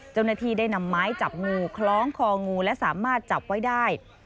เจ้าหน้าที่ได้นำไม้จับงูคล้องคองูและสามารถจับไว้ได้